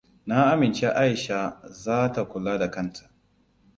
Na amince Aisha za ta kula da kanta.